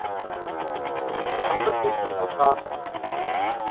Акъылыр жьыгъэ-щӀагъэкъым.